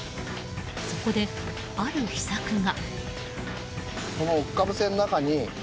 そこで、ある秘策が。